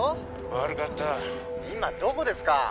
☎悪かった今どこですか？